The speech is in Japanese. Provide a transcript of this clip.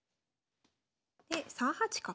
で３八角。